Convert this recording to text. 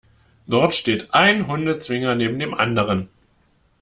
Dort steht ein Hundezwinger neben dem anderen.